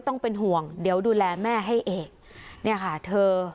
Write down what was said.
ต้องเป็นห่วงเดี๋ยวดูแลแม่ให้เอกเนี่ยค่ะเธอ